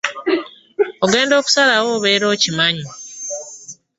Ogenda okusalawo obeera okimanyi.